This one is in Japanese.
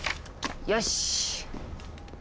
よし！